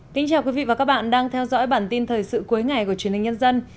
chào mừng quý vị đến với bản tin thời sự cuối ngày của truyền hình nhân dân